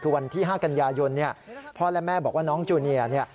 คือวันที่๕กันยายนเนี่ยพ่อและแม่บอกว่าน้องจูเนียเนี่ย